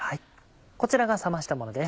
こちらが冷ましたものです。